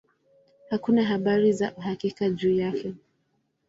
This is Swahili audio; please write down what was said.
Hakuna habari za uhakika juu yake.